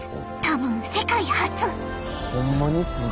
多分世界初。